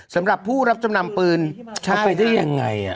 สำหรับผู้รับจำนำปืนจะไปได้ยังไง